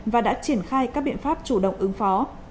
và đã triển khai các biện pháp chủ động ứng phó